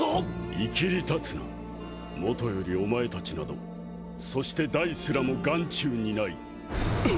いきり立つな元よりお前たちなどそしてダイすらも眼中にない。